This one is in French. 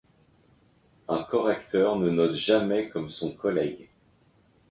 Un correcteur ne note jamais comme son collègue.